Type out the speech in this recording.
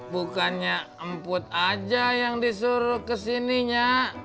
bukannya emput aja yang disuruh kesini nyak